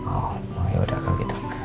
oh ya udah kalau gitu